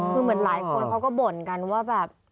คือเหมือนหลายคนเขาก็บ่นกันว่าแบบ